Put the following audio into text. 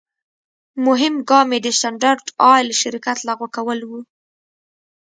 مهم ګام یې د سټنډرد آیل شرکت لغوه کول و.